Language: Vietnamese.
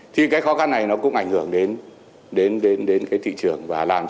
thì cái khó khăn này nó cũng ảnh hưởng đến thị trường